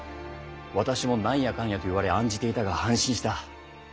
私も何やかんやと言われ案じていたが安心した。